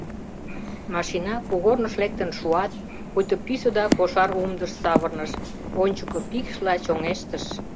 Машина кугорныш лектын шуат, пуйто пӱсӧ да кошар умдыш савырныш — ончыко пикшла чоҥештыш.